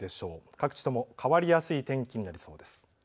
各地とも変わりやすい天気になりそうです。